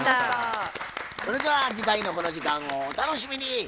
それでは次回のこの時間をお楽しみに。